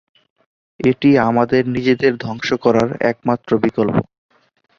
এটি আমাদের নিজেদের ধ্বংস করার একমাত্র বিকল্প।